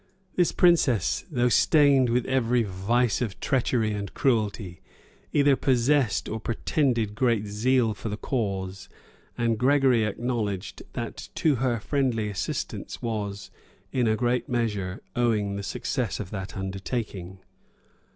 This princess, though stained with every vice of treachery and cruelty, either possessed or pretended great zeal for the cause; and Gregory acknowledged, that to her friendly assistance was, in a great measure, owing the success of that undertaking.